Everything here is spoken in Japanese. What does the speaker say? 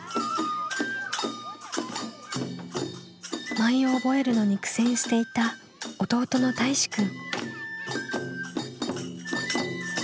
舞を覚えるのに苦戦していた弟のたいしくん。